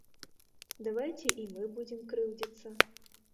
Давайце і мы будзем крыўдзіцца.